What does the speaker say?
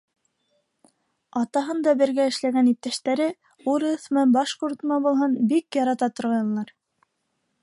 Атаһын да бергә эшләгән иптәштәре, урыҫмы, башҡортмо булһын, бик ярата торғайнылар.